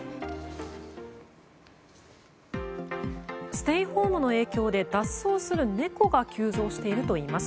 ステイホームの影響で脱走する猫が急増しているといいます。